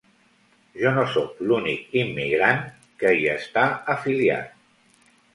Jo no sóc l’únic immigrant que hi està afiliat.